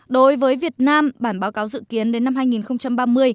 đối với việt nam bản báo cáo dự kiến đến năm hai nghìn ba mươi